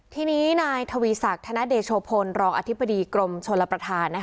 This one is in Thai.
ทีนี้นายทวีศักดิ์ธนเดโชพลรองอธิบดีกรมชลประธาน